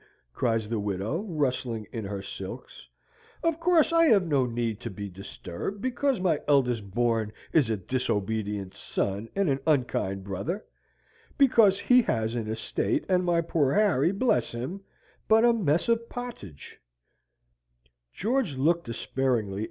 cries the widow, rustling in her silks; "of course I have no need to be disturbed, because my eldest born is a disobedient son and an unkind brother because he has an estate, and my poor Harry, bless him, but a mess of pottage."